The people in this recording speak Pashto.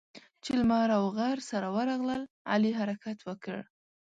چې لمر او غر سره ورغلل؛ علي حرکت وکړ.